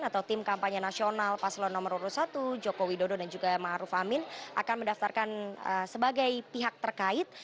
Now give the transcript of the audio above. atau tim kampanye nasional paslon nomor dua puluh satu joko widodo dan juga ma'ruf amin akan mendaftarkan sebagai pihak terkait